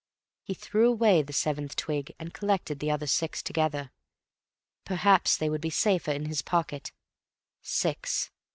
He threw away the seventh twig and collected the other six together. Perhaps they would be safer in his pocket. Six.